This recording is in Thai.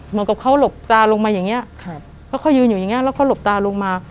เหมือนกับเขาหลบตาลงมาอย่างนี้แล้วเขายืนอยู่อย่างเงี้แล้วเขาหลบตาลงมา